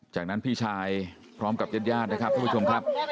จากนั้นพี่ชายพร้อมกับญาติญาตินะครับทุกผู้ชมครับ